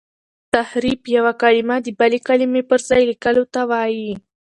تحريف یو کلمه د بلي کلمې پر ځای لیکلو ته وايي.